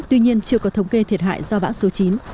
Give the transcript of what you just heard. tuy nhiên chưa có thống kê thiệt hại do bão số chín